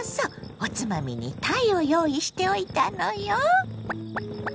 おつまみにたいを用意しておいたのよ。